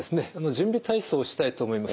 準備体操をしたいと思います。